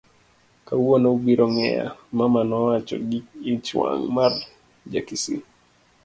Kawuono ubiro ng'eya, Mama nowacho gi ich wang' mar Ja kisii.